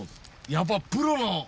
やっぱプロの。